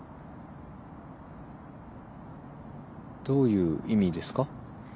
どういう意味ですか？